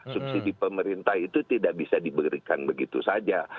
subsidi pemerintah itu tidak bisa diberikan begitu saja